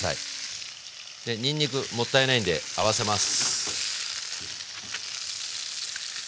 にんにくもったいないんで合わせます。